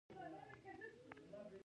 کلي د جغرافیوي تنوع یو ښه مثال دی.